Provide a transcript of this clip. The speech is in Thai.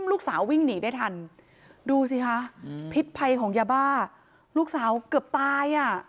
ลูกสาววิ่งหนีได้ทันดูสิคะพิษภัยของยาบ้าลูกสาวเกือบตายอ่ะ